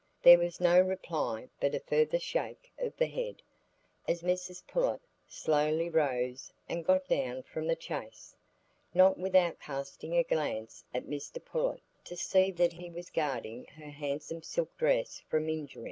There was no reply but a further shake of the head, as Mrs Pullet slowly rose and got down from the chaise, not without casting a glance at Mr Pullet to see that he was guarding her handsome silk dress from injury.